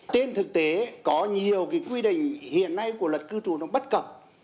tên thực tế có nhiều cái quy định hiện nay của luật cư trù nó bất cập